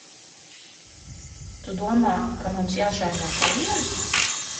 Tu domā, ka mums jāšauj no šejienes?